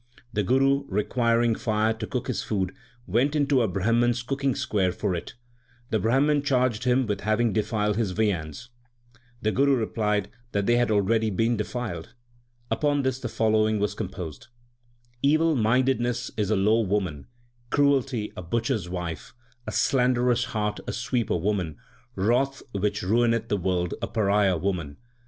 The Guru, requiring fire to cook his food, went into a Brahman s cooking square for it. The Brahman charged him with having defiled his viands. The Guru replied that they had already E 2 52 THE SIKH RELIGION been denied. Upon this the following was com posed : Evil mindedness is a low woman, 1 cruelty a butcher s wife, a slanderous heart a sweeper woman, wrath which ruineth the world a pariah woman.